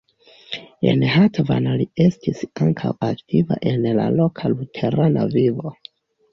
En Hatvan li estis ankaŭ aktiva en la loka luterana vivo.